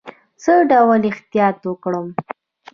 څه ډول احتیاط وکړم؟